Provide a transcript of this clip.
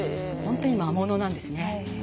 本当に魔物なんですね。